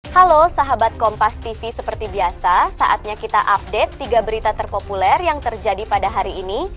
halo sahabat kompas tv seperti biasa saatnya kita update tiga berita terpopuler yang terjadi pada hari ini